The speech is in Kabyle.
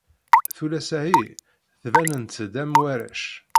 Tullas-ahi ttbanent-d am warrac.